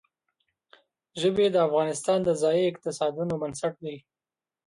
ژبې د افغانستان د ځایي اقتصادونو بنسټ دی.